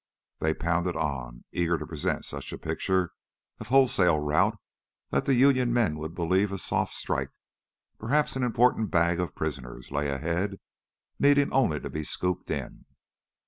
They pounded on, eager to present such a picture of wholesale rout that the Union men would believe a soft strike, perhaps an important bag of prisoners, lay ahead, needing only to be scooped in.